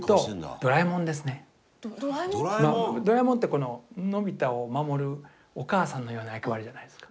ドラえもんってのび太を守るお母さんのような役割じゃないですか。